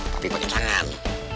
tapi pakai tangan